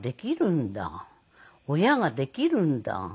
「親ができるんだ」